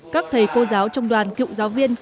các thầy cô giáo trong đoàn cựu giáo viên